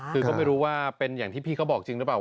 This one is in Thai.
คือก็ไม่รู้ว่าเป็นอย่างที่พี่เขาบอกจริงหรือเปล่า